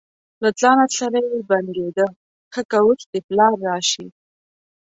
له ځانه سره یې بنګېده: ښه که اوس دې پلار راشي.